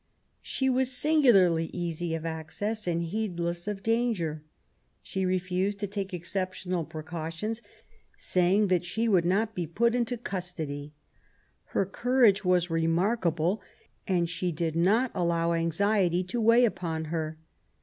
She was singularly easy of access and heedless of danger. She refused to take exceptional precautions, saying that she would not be put into custody. Her courage was remarkable, and she did not allow anxiety to weigh upon her.